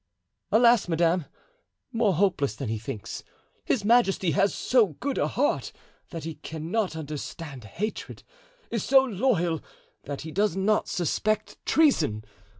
"Alas! madame, more hopeless than he thinks. His majesty has so good a heart that he cannot understand hatred; is so loyal that he does not suspect treason!